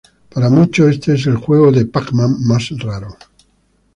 Para muchos, este es el juego de Pac-Man más raro.